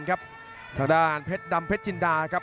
กลับถึงกันตีแล้วกันถูกครับประเภทเขาอาชีพครับ